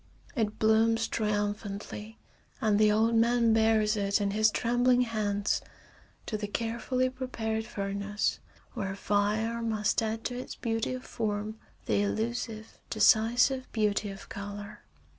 It blooms triumphantly, and the old man bears it in his trembling hands to the carefully prepared furnace where fire must add to its beauty of form the illusive, decisive beauty of color.